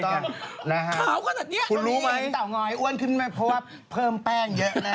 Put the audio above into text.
ถูกต้องนะฮะคุณรู้ไหมตาวงอยอ้วนขึ้นไหมเพราะว่าเพิ่มแป้งเยอะนะฮะ